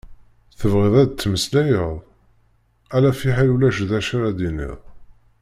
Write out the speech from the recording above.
Tebɣiḍ ad d-tmeslayeḍ? Ala fiḥel ulac d acu ara d-iniɣ.